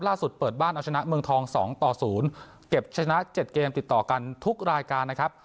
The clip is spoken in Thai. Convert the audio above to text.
เปิดบ้านเอาชนะเมืองทอง๒ต่อ๐เก็บชนะ๗เกมติดต่อกันทุกรายการนะครับ